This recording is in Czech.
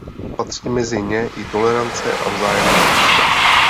Patří mezi ně i tolerance a vzájemná úcta.